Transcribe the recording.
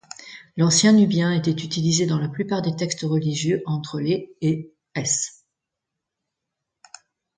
L'ancien nubien était utilisé dans la plupart des textes religieux entre les et s.